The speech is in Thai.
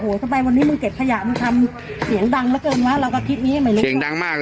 โหทำไมวันนี้เก็บขยะมันทำเสียงดังเหลือเกินวะ